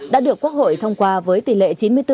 đã được quốc hội thông qua với tỷ lệ chín mươi bốn